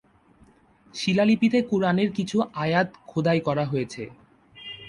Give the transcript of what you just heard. শিলালিপিতে কুরআনের কিছু আয়াত খোদাই করা হয়েছে।